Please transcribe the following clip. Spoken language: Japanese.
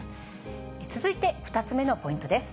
続いて２つ目のポイントです。